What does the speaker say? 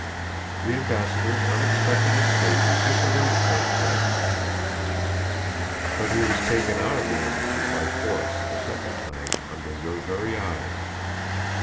The ambassador's unexpected escape disarranged our plans; but he was taken out of the embassy by force the second time under your very eyes.